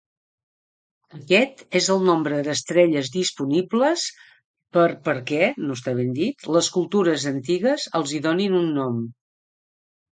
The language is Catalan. Aquest és el nombre d'estrelles disponibles per perquè les cultures antigues els hi donin un nom.